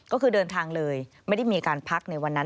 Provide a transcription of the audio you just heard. ก็คือเดินทางเลยไม่ได้มีการพักในวันนั้น